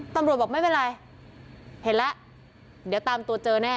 ตำรวจบอกไม่เป็นไรเห็นแล้วเดี๋ยวตามตัวเจอแน่